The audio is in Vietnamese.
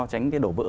tránh cái đổ vỡ